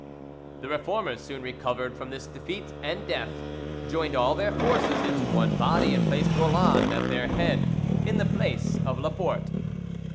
The Reformers soon recovered from this defeat and death, joined all their forces into one body, and placed Roland at their head in the place of Laporte.